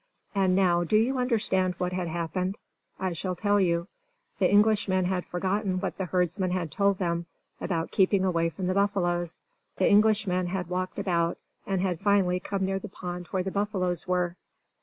And now, do you understand what had happened? I shall tell you. The Englishmen had forgotten what the herdsman had told them about keeping away from the buffaloes. The Englishmen had walked about, and had finally come near the pond where the buffaloes were.